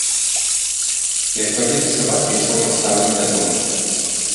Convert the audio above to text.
Як пабіты сабака, ішоў настаўнік дадому.